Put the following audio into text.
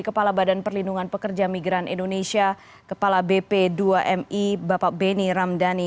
kepala badan perlindungan pekerja migran indonesia kepala bp dua mi bapak beni ramdhani